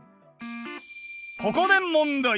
ここで問題！